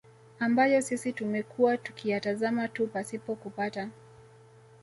ambayo sisi tumekuwa tukiyatazama tu pasipo kupata